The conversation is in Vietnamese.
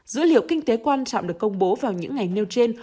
dữ liệu kinh tế quan trọng được công bố vào những ngày nêu trên